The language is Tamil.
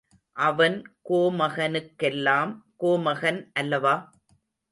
அவன் கோமகனுக்கெல்லாம் கோமகன் அல்லவா?